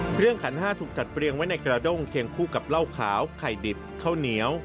ขันห้าถูกจัดเรียงไว้ในกระด้งเคียงคู่กับเหล้าขาวไข่ดิบข้าวเหนียว